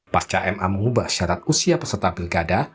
pasca ma mengubah syarat usia peserta pilkada